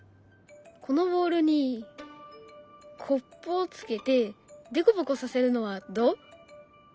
このボールにコップをつけてでこぼこさせるのはどう？